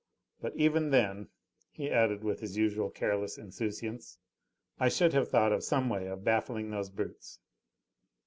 But even then," he added with his usual careless insouciance, "I should have thought of some way of baffling those brutes."